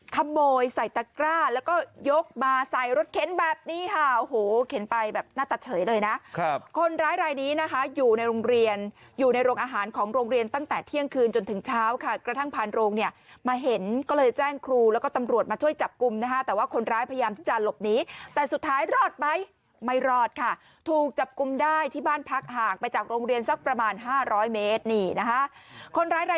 ขับโบยใส่ตะกร้าแล้วก็ยกมาใส่รถเข็นแบบนี้ค่ะโอ้โหเข็นไปแบบน่าตัดเฉยเลยนะครับคนร้ายรายนี้นะคะอยู่ในโรงเรียนอยู่ในโรงอาหารของโรงเรียนตั้งแต่เที่ยงคืนจนถึงเช้าค่ะกระทั่งผ่านโรงเนี่ยมาเห็นก็เลยแจ้งครูแล้วก็ตำรวจมาช่วยจับกลุ้มนะฮะแต่ว่าคนร้ายพยายามที่จะหลบหนีแต่สุดท้ายรอดไหมไม่รอ